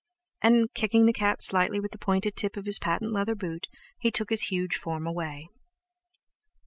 And, kicking the cat slightly with the pointed tip of his patent leather boot, he took his huge form away.